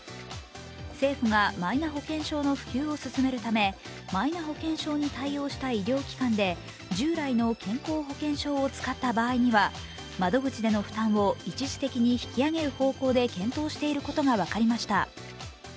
政府が、マイナ保険証の普及を進めるためマイナ保険証に対応した医療機関で従来の健康保険証を使った場合には窓口での負担を一時的に引き上げる方向で検討していることが分かりました。